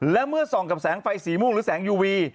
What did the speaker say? และเมื่อส่องกับแสงไฟสีม่วงหรือแสงยูวี